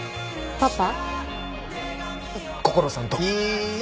パパ！